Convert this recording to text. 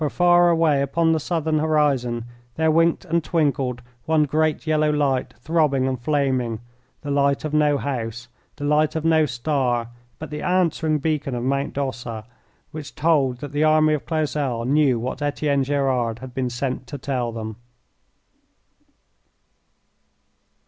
For, far away upon the southern horizon, there winked and twinkled one great yellow light, throbbing and flaming, the light of no house, the light of no star, but the answering beacon of Mount d'Ossa, which told that the army of Clausel knew what Etienne Gerard had been sent to tell them.